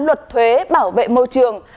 luật thuế bảo vệ môi trường